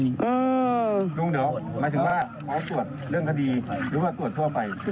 หมายถึงว่าตรวจเรื่องคดีหรือว่าตรวจทั่วไป